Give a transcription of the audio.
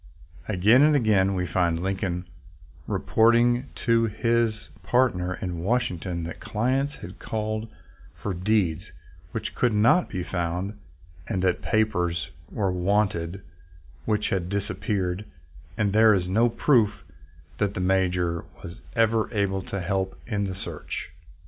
Again and again we find Lincoln reporting to his part ner in Washington that clients had called for deeds which could not be found, and that papers were wanted which had disappeared, and there is no proof that the Major was ever able to help in the search.